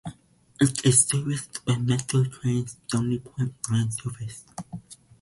It is serviced by Metro Trains' Stony Point line services.